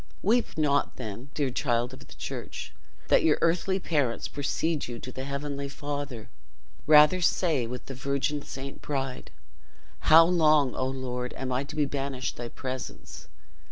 Weep not, then, dear child of the church, that your earthly parents precede you to the Heavenly Father; rather say, with the Virgin Saint Bride, 'How long, O Lord, am I to be banished thy presence?